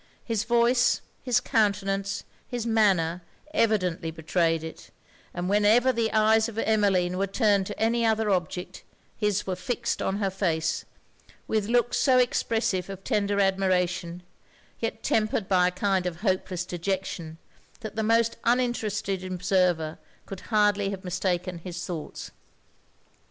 His voice, his countenance, his manner, evidently betrayed it; and whenever the eyes of Emmeline were turned to any other object, his were fixed on her face, with looks so expressive of tender admiration, yet tempered by a kind of hopeless dejection, that the most uninterested observer could hardly have mistaken his thoughts.